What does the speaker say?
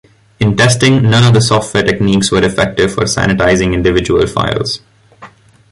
In testing, none of the software techniques were effective for sanitizing individual files.